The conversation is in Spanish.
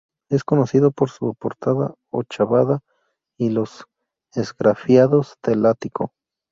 Es conocido por su portada ochavada y los esgrafiados del ático.